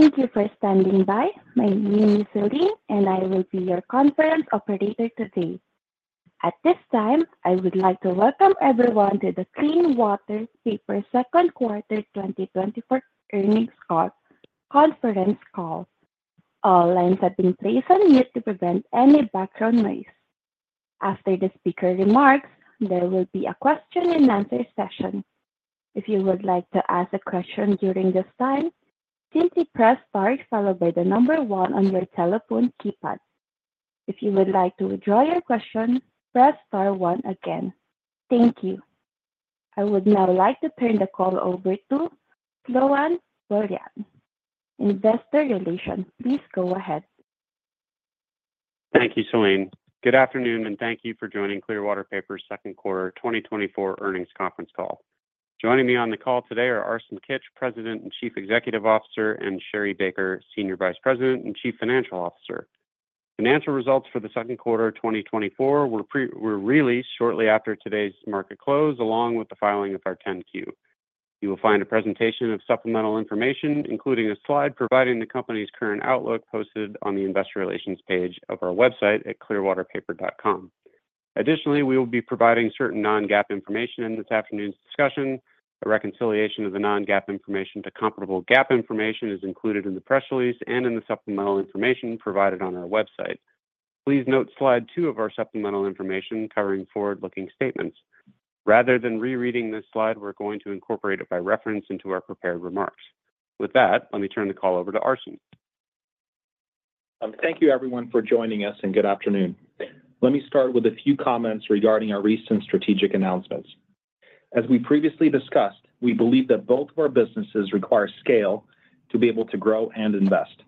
Thank you for standing by. My name is Celine, and I will be your conference operator today. At this time, I would like to welcome everyone to the Clearwater Paper Second Quarter 2024 Earnings Call, Conference Call. All lines have been placed on mute to prevent any background noise. After the speaker remarks, there will be a question and answer session. If you would like to ask a question during this time, simply press Star followed by the number 1 on your telephone keypad. If you would like to withdraw your question, press Star 1 again. Thank you. I would now like to turn the call over to Sloan Bohlen, Investor Relations. Please go ahead. Thank you, Celine. Good afternoon, and thank you for joining Clearwater Paper's second quarter 2024 earnings conference call. Joining me on the call today are Arsen Kitch, President and Chief Executive Officer, and Sherri Baker, Senior Vice President and Chief Financial Officer. Financial results for the second quarter of 2024 were released shortly after today's market close, along with the filing of our 10-Q. You will find a presentation of supplemental information, including a slide providing the company's current outlook, posted on the investor relations page of our website at clearwaterpaper.com. Additionally, we will be providing certain non-GAAP information in this afternoon's discussion. A reconciliation of the non-GAAP information to comparable GAAP information is included in the press release and in the supplemental information provided on our website. Please note slide 2 of our supplemental information covering forward-looking statements. Rather than rereading this slide, we're going to incorporate it by reference into our prepared remarks. With that, let me turn the call over to Arsen. Thank you everyone for joining us, and good afternoon. Let me start with a few comments regarding our recent strategic announcements. As we previously discussed, we believe that both of our businesses require scale to be able to grow and invest,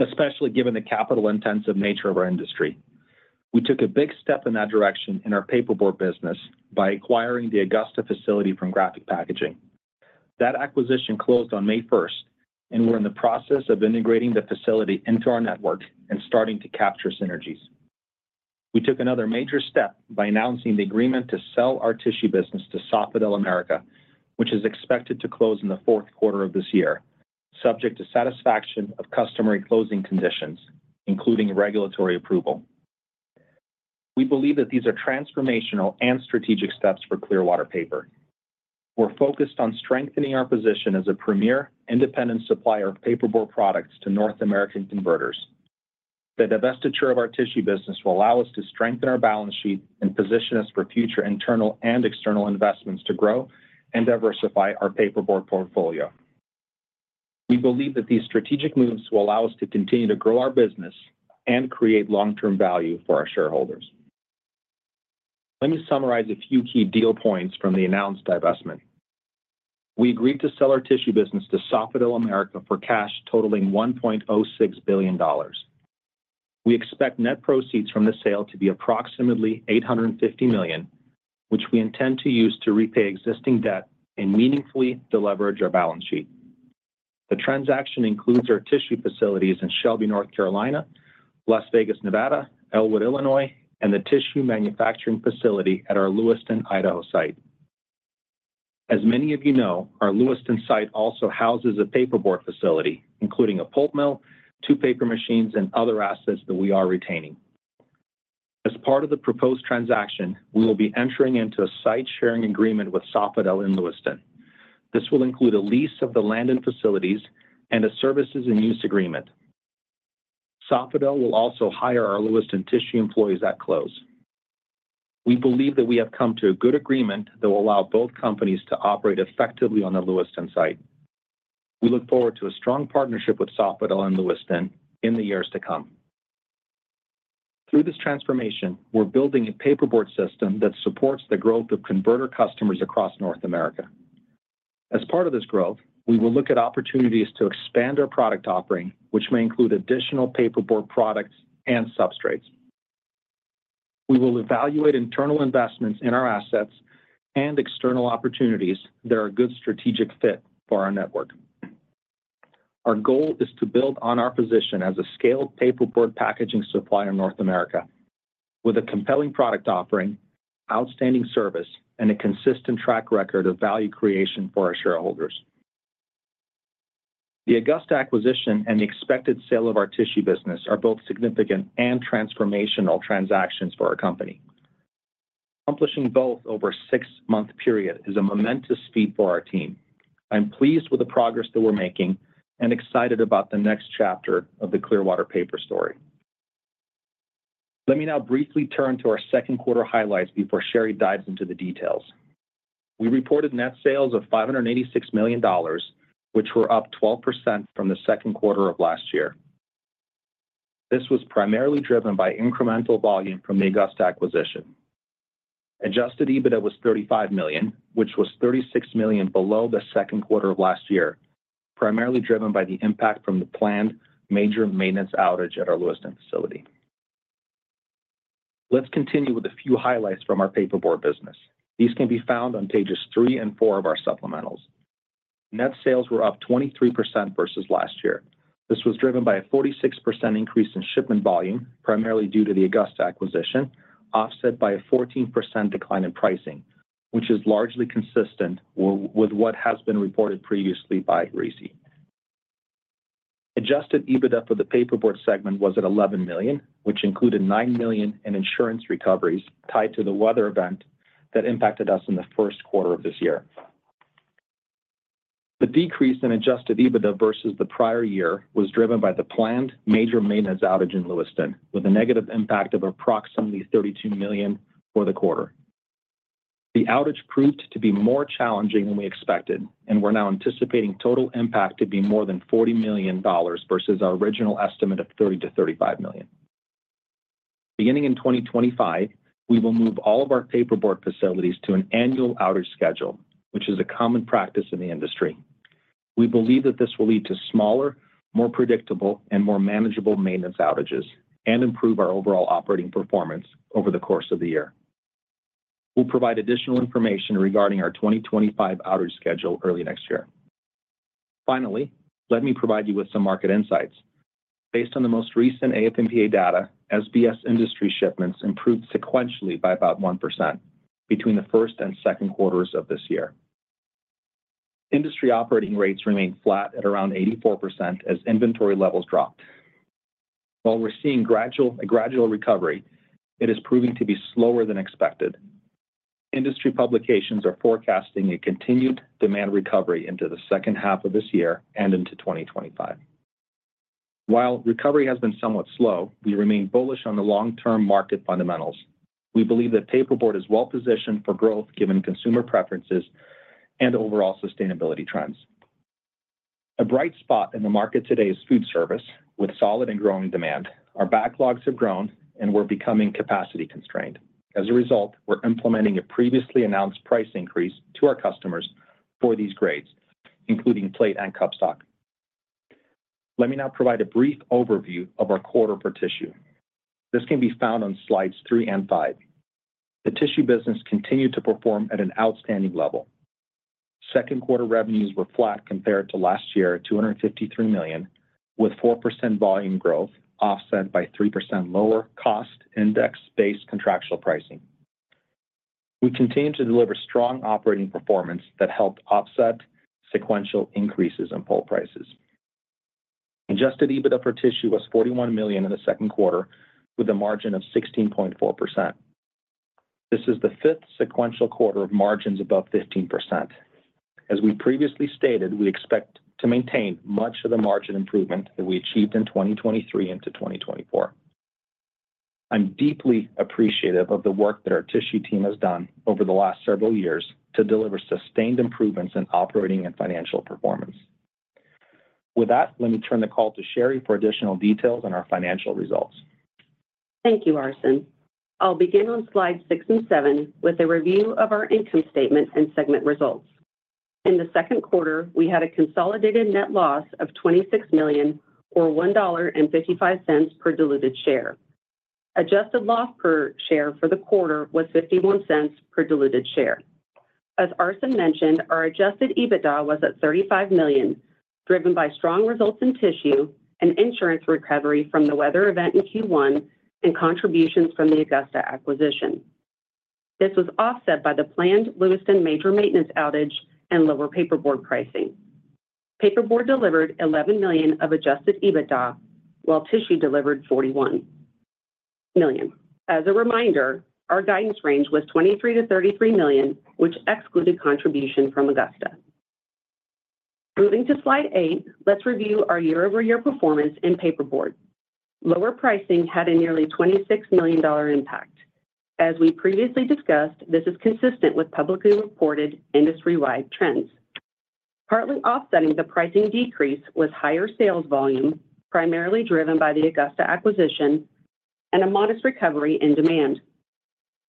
especially given the capital-intensive nature of our industry. We took a big step in that direction in our paperboard business by acquiring the Augusta facility from Graphic Packaging. That acquisition closed on May first, and we're in the process of integrating the facility into our network and starting to capture synergies. We took another major step by announcing the agreement to sell our tissue business to Sofidel America, which is expected to close in the fourth quarter of this year, subject to satisfaction of customary closing conditions, including regulatory approval. We believe that these are transformational and strategic steps for Clearwater Paper. We're focused on strengthening our position as a premier independent supplier of paperboard products to North American converters. The divestiture of our tissue business will allow us to strengthen our balance sheet and position us for future internal and external investments to grow and diversify our paperboard portfolio. We believe that these strategic moves will allow us to continue to grow our business and create long-term value for our shareholders. Let me summarize a few key deal points from the announced divestment. We agreed to sell our tissue business to Sofidel America for cash totaling $1.06 billion. We expect net proceeds from the sale to be approximately $850 million, which we intend to use to repay existing debt and meaningfully deleverage our balance sheet. The transaction includes our tissue facilities in Shelby, North Carolina, Las Vegas, Nevada, Elwood, Illinois, and the tissue manufacturing facility at our Lewiston, Idaho, site. As many of you know, our Lewiston site also houses a paperboard facility, including a pulp mill, two paper machines, and other assets that we are retaining. As part of the proposed transaction, we will be entering into a site sharing agreement with Sofidel in Lewiston. This will include a lease of the land and facilities and a services and use agreement. Sofidel will also hire our Lewiston tissue employees at close. We believe that we have come to a good agreement that will allow both companies to operate effectively on the Lewiston site. We look forward to a strong partnership with Sofidel in Lewiston in the years to come. Through this transformation, we're building a paperboard system that supports the growth of converter customers across North America. As part of this growth, we will look at opportunities to expand our product offering, which may include additional paperboard products and substrates. We will evaluate internal investments in our assets and external opportunities that are a good strategic fit for our network. Our goal is to build on our position as a scaled paperboard packaging supplier in North America, with a compelling product offering, outstanding service, and a consistent track record of value creation for our shareholders. The Augusta acquisition and the expected sale of our tissue business are both significant and transformational transactions for our company. Accomplishing both over a six-month period is a momentous feat for our team. I'm pleased with the progress that we're making and excited about the next chapter of the Clearwater Paper story. Let me now briefly turn to our second quarter highlights before Sherri dives into the details. We reported net sales of $586 million, which were up 12% from the second quarter of last year. This was primarily driven by incremental volume from the Augusta acquisition. Adjusted EBITDA was $35 million, which was $36 million below the second quarter of last year, primarily driven by the impact from the planned major maintenance outage at our Lewiston facility. Let's continue with a few highlights from our paperboard business. These can be found on pages 3 and 4 of our supplementals. Net sales were up 23% versus last year. This was driven by a 46% increase in shipment volume, primarily due to the Augusta acquisition, offset by a 14% decline in pricing, which is largely consistent with what has been reported previously by RISI. Adjusted EBITDA for the paperboard segment was at $11 million, which included $9 million in insurance recoveries tied to the weather event that impacted us in the first quarter of this year. The decrease in adjusted EBITDA versus the prior year was driven by the planned major maintenance outage in Lewiston, with a negative impact of approximately $32 million for the quarter. The outage proved to be more challenging than we expected, and we're now anticipating total impact to be more than $40 million versus our original estimate of $30 million-$35 million. Beginning in 2025, we will move all of our paperboard facilities to an annual outage schedule, which is a common practice in the industry. We believe that this will lead to smaller, more predictable, and more manageable maintenance outages and improve our overall operating performance over the course of the year. We'll provide additional information regarding our 2025 outage schedule early next year. Finally, let me provide you with some market insights. Based on the most recent AF&PA data, SBS industry shipments improved sequentially by about 1% between the first and second quarters of this year. Industry operating rates remained flat at around 84% as inventory levels dropped. While we're seeing a gradual recovery, it is proving to be slower than expected. Industry publications are forecasting a continued demand recovery into the second half of this year and into 2025. While recovery has been somewhat slow, we remain bullish on the long-term market fundamentals. We believe that paperboard is well positioned for growth, given consumer preferences and overall sustainability trends. A bright spot in the market today is food service, with solid and growing demand. Our backlogs have grown, and we're becoming capacity constrained. As a result, we're implementing a previously announced price increase to our customers for these grades, including plate and cup stock. Let me now provide a brief overview of our quarter for tissue. This can be found on slides 3 and 5. The tissue business continued to perform at an outstanding level. Second quarter revenues were flat compared to last year at $253 million, with 4% volume growth, offset by 3% lower cost index-based contractual pricing. We continued to deliver strong operating performance that helped offset sequential increases in pulp prices. Adjusted EBITDA for tissue was $41 million in the second quarter, with a margin of 16.4%. This is the fifth sequential quarter of margins above 15%. As we previously stated, we expect to maintain much of the margin improvement that we achieved in 2023 into 2024. I'm deeply appreciative of the work that our tissue team has done over the last several years to deliver sustained improvements in operating and financial performance. With that, let me turn the call to Sherri for additional details on our financial results. Thank you, Arsen. I'll begin on slides 6 and 7 with a review of our income statement and segment results. In the second quarter, we had a consolidated net loss of $26 million, or $1.55 per diluted share. Adjusted loss per share for the quarter was $0.51 per diluted share. As Arsen mentioned, our Adjusted EBITDA was at $35 million, driven by strong results in tissue and insurance recovery from the weather event in Q1 and contributions from the Augusta acquisition. This was offset by the planned Lewiston major maintenance outage and lower paperboard pricing. Paperboard delivered $11 million of Adjusted EBITDA, while tissue delivered $41 million. As a reminder, our guidance range was $23 million-$33 million, which excluded contribution from Augusta. Moving to slide 8, let's review our year-over-year performance in paperboard. Lower pricing had a nearly $26 million impact. As we previously discussed, this is consistent with publicly reported industry-wide trends. Partly offsetting the pricing decrease was higher sales volume, primarily driven by the Augusta acquisition and a modest recovery in demand.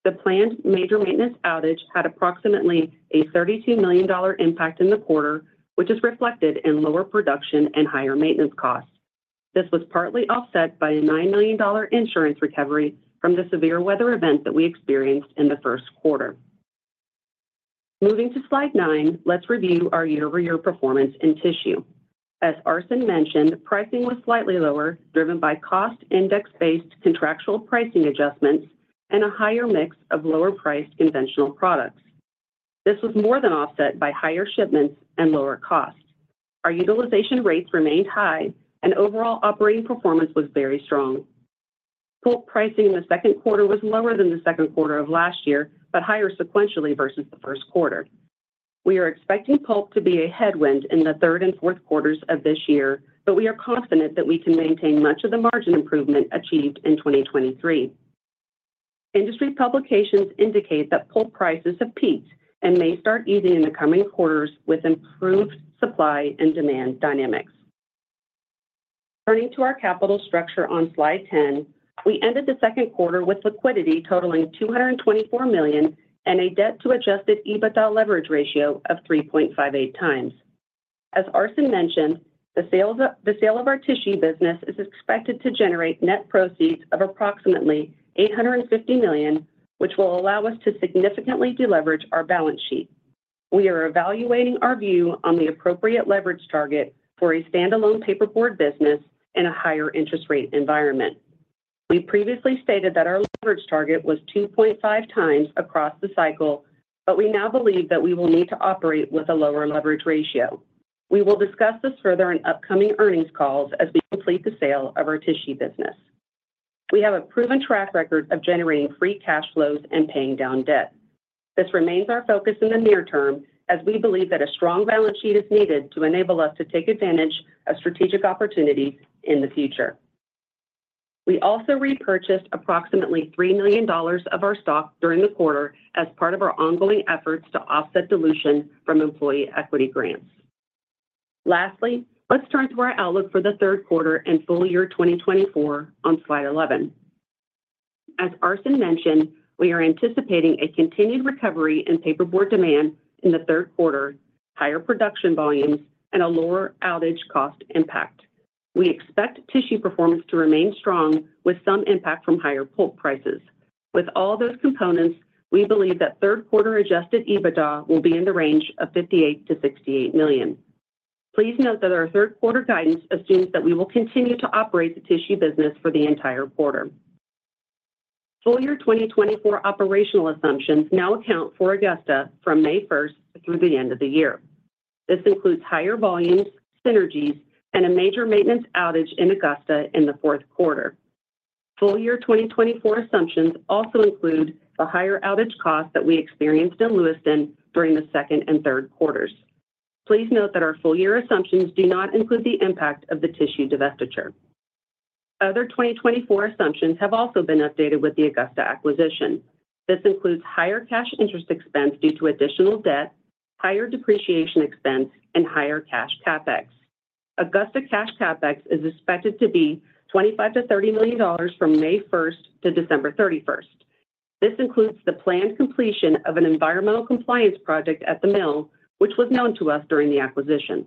The planned major maintenance outage had approximately a $32 million impact in the quarter, which is reflected in lower production and higher maintenance costs. This was partly offset by a $9 million insurance recovery from the severe weather event that we experienced in the first quarter. Moving to slide 9, let's review our year-over-year performance in tissue. As Arsen mentioned, pricing was slightly lower, driven by cost index-based contractual pricing adjustments and a higher mix of lower-priced conventional products. This was more than offset by higher shipments and lower costs. Our utilization rates remained high, and overall operating performance was very strong. Pulp pricing in the second quarter was lower than the second quarter of last year, but higher sequentially versus the first quarter. We are expecting pulp to be a headwind in the third and fourth quarters of this year, but we are confident that we can maintain much of the margin improvement achieved in 2023. Industry publications indicate that pulp prices have peaked and may start easing in the coming quarters with improved supply and demand dynamics. Turning to our capital structure on slide 10, we ended the second quarter with liquidity totaling $224 million and a debt to Adjusted EBITDA leverage ratio of 3.58 times. As Arsen mentioned, the sale of our tissue business is expected to generate net proceeds of approximately $850 million, which will allow us to significantly deleverage our balance sheet. We are evaluating our view on the appropriate leverage target for a standalone paperboard business in a higher interest rate environment. We previously stated that our leverage target was 2.5 times across the cycle, but we now believe that we will need to operate with a lower leverage ratio. We will discuss this further in upcoming earnings calls as we complete the sale of our tissue business. We have a proven track record of generating free cash flows and paying down debt. This remains our focus in the near term, as we believe that a strong balance sheet is needed to enable us to take advantage of strategic opportunities in the future. We also repurchased approximately $3 million of our stock during the quarter as part of our ongoing efforts to offset dilution from employee equity grants. Lastly, let's turn to our outlook for the third quarter and full year 2024 on slide 11. As Arsen mentioned, we are anticipating a continued recovery in paperboard demand in the third quarter, higher production volumes, and a lower outage cost impact. We expect tissue performance to remain strong, with some impact from higher pulp prices. With all those components, we believe that third quarter Adjusted EBITDA will be in the range of $58 million-$68 million. Please note that our third quarter guidance assumes that we will continue to operate the tissue business for the entire quarter. Full year 2024 operational assumptions now account for Augusta from May 1 through the end of the year. This includes higher volumes, synergies, and a major maintenance outage in Augusta in the fourth quarter. Full year 2024 assumptions also include the higher outage costs that we experienced in Lewiston during the second and third quarters. Please note that our full year assumptions do not include the impact of the tissue divestiture. Other 2024 assumptions have also been updated with the Augusta acquisition. This includes higher cash interest expense due to additional debt, higher depreciation expense, and higher cash CapEx. Augusta cash CapEx is expected to be $25 million-$30 million from May 1 to December 31. This includes the planned completion of an environmental compliance project at the mill, which was known to us during the acquisition.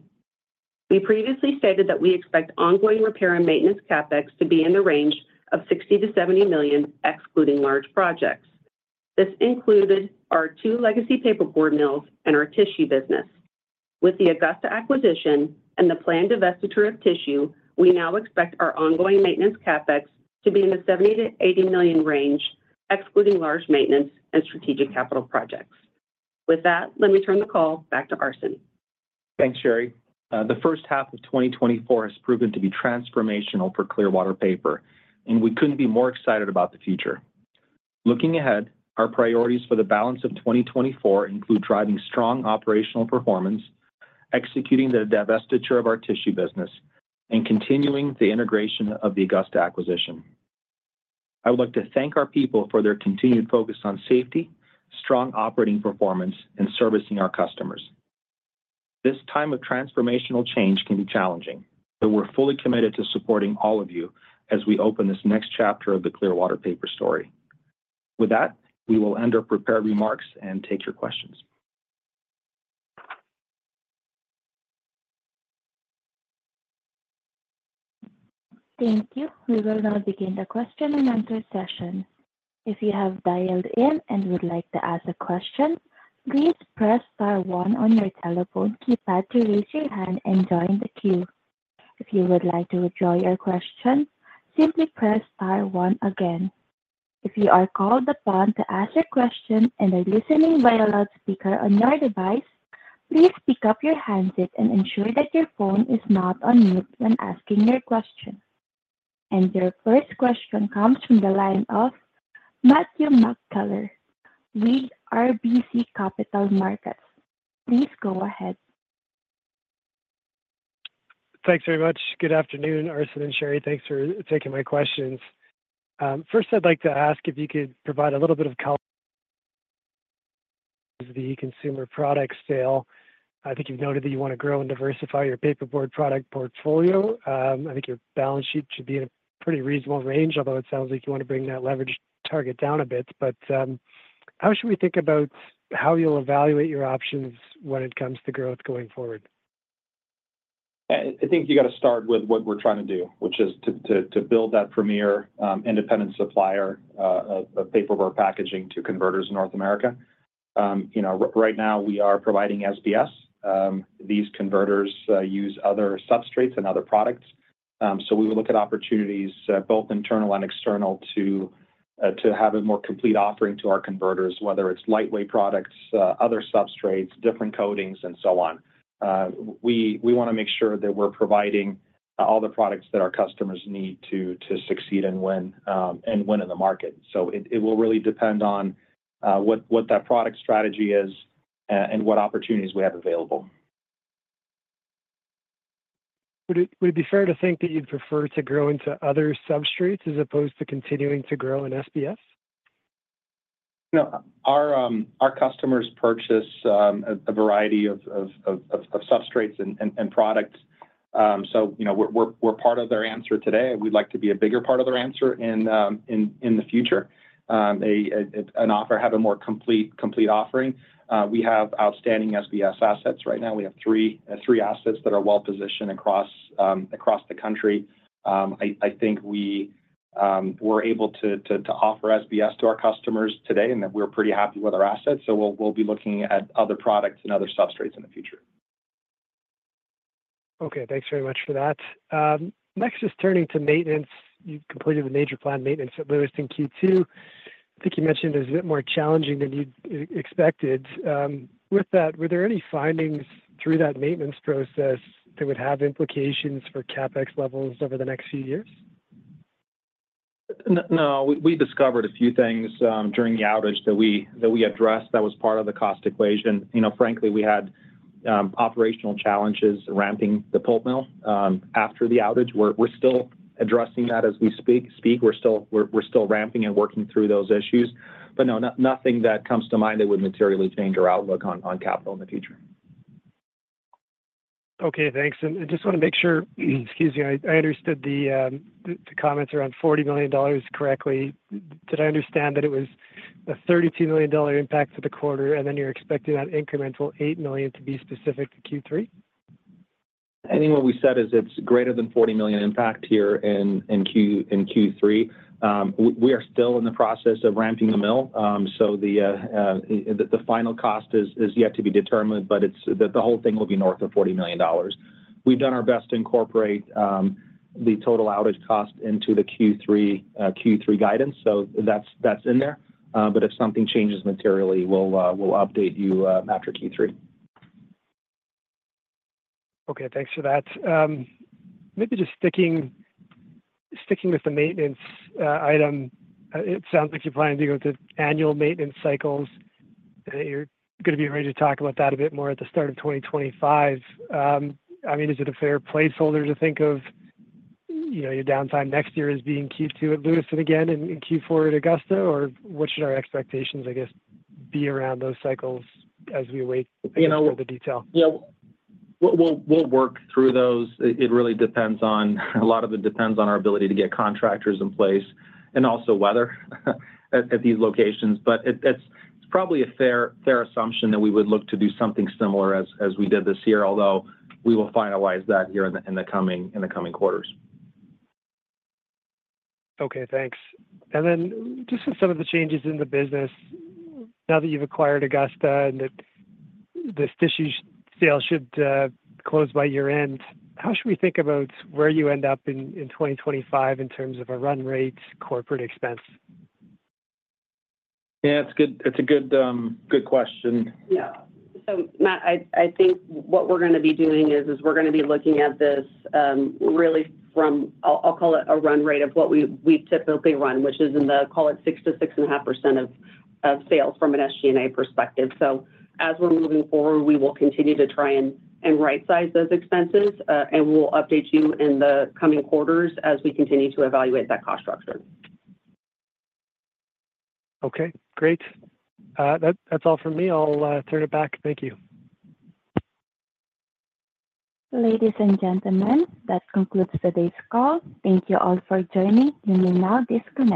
We previously stated that we expect ongoing repair and maintenance CapEx to be in the range of $60 million-$70 million, excluding large projects. This included our two legacy paperboard mills and our tissue business. With the Augusta acquisition and the planned divestiture of tissue, we now expect our ongoing maintenance CapEx to be in the $70 million-$80 million range, excluding large maintenance and strategic capital projects. With that, let me turn the call back to Arsen. Thanks, Sherri. The first half of 2024 has proven to be transformational for Clearwater Paper, and we couldn't be more excited about the future. Looking ahead, our priorities for the balance of 2024 include driving strong operational performance, executing the divestiture of our tissue business, and continuing the integration of the Augusta acquisition. I would like to thank our people for their continued focus on safety, strong operating performance, and servicing our customers. This time of transformational change can be challenging, but we're fully committed to supporting all of you as we open this next chapter of the Clearwater Paper story. With that, we will end our prepared remarks and take your questions. Thank you. We will now begin the question and answer session. If you have dialed in and would like to ask a question, please press star one on your telephone keypad to raise your hand and join the queue. If you would like to withdraw your question, simply press star one again. If you are called upon to ask a question and are listening via loudspeaker on your device, please pick up your handset and ensure that your phone is not on mute when asking your question. Your first question comes from the line of Matthew McKellar with RBC Capital Markets. Please go ahead. Thanks very much. Good afternoon, Arsen and Sherri. Thanks for taking my questions. First, I'd like to ask if you could provide a little bit of color, the consumer product sale. I think you've noted that you want to grow and diversify your paperboard product portfolio. I think your balance sheet should be in a pretty reasonable range, although it sounds like you want to bring that leverage target down a bit. But, how should we think about how you'll evaluate your options when it comes to growth going forward? I think you got to start with what we're trying to do, which is to build that premier independent supplier of paperboard packaging to converters in North America. You know, right now we are providing SBS. These converters use other substrates and other products. So we will look at opportunities both internal and external to have a more complete offering to our converters, whether it's lightweight products, other substrates, different coatings, and so on. We want to make sure that we're providing all the products that our customers need to succeed and win, and win in the market. So it will really depend on what that product strategy is and what opportunities we have available. Would it be fair to think that you'd prefer to grow into other substrates as opposed to continuing to grow in SBS? No. Our customers purchase a variety of substrates and products. So, you know, we're part of their answer today, and we'd like to be a bigger part of their answer in the future. Have a more complete offering. We have outstanding SBS assets right now. We have three assets that are well positioned across the country. I think we're able to offer SBS to our customers today, and that we're pretty happy with our assets. So we'll be looking at other products and other substrates in the future. Okay, thanks very much for that. Next, just turning to maintenance. You completed the major planned maintenance at Lewiston Q2. I think you mentioned it was a bit more challenging than you expected. With that, were there any findings through that maintenance process that would have implications for CapEx levels over the next few years? No, we discovered a few things during the outage that we addressed that was part of the cost equation. You know, frankly, we had operational challenges ramping the pulp mill after the outage. We're still addressing that as we speak. We're still ramping and working through those issues. But no, nothing that comes to mind that would materially change our outlook on capital in the future. Okay, thanks. And I just wanna make sure, excuse me, I understood the comments around $40 million correctly. Did I understand that it was a $32 million impact to the quarter, and then you're expecting that incremental $8 million to be specific to Q3? I think what we said is it's greater than $40 million impact here in Q3. We are still in the process of ramping the mill. So the final cost is yet to be determined, but it's the whole thing will be north of $40 million. We've done our best to incorporate the total outage cost into the Q3 guidance, so that's in there. But if something changes materially, we'll update you after Q3. Okay, thanks for that. Maybe just sticking, sticking with the maintenance item, it sounds like you're planning to go to annual maintenance cycles, and you're gonna be ready to talk about that a bit more at the start of 2025. I mean, is it a fair placeholder to think of, you know, your downtime next year as being Q2 at Lewiston again and Q4 at Augusta? Or what should our expectations, I guess, be around those cycles as we await, you know, the detail? Yeah. We'll work through those. It really depends on a lot of it depends on our ability to get contractors in place and also weather at these locations. But it's probably a fair assumption that we would look to do something similar as we did this year, although we will finalize that here in the coming quarters. Okay, thanks. And then just with some of the changes in the business, now that you've acquired Augusta and that this tissue sale should close by year-end, how should we think about where you end up in, in 2025 in terms of a run rate corporate expense? Yeah, it's good. It's a good, good question. Yeah. So, Matt, I think what we're gonna be doing is we're gonna be looking at this really from... I'll call it a run rate of what we typically run, which is in the call it 6%-6.5% of sales from an SG&A perspective. So as we're moving forward, we will continue to try and right-size those expenses, and we'll update you in the coming quarters as we continue to evaluate that cost structure. Okay, great. That's all from me. I'll turn it back. Thank you. Ladies and gentlemen, that concludes today's call. Thank you all for joining. You may now disconnect.